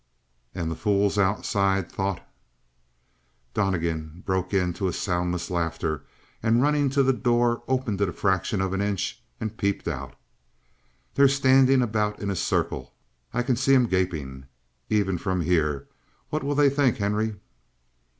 "And the fools outside thought " Donnegan broke into a soundless laughter, and, running to the door, opened it a fraction of an inch and peeped out. "They're standing about in a circle. I can see 'em gaping. Even from here. What will they think, Henry?"